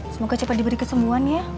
semoga cepat diberi kesembuhan ya